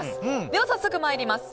では早速参ります。